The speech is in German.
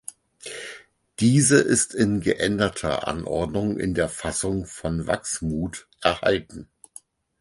Diese ist in geänderter Anordnung in der Fassung von Wachsmuth erhalten.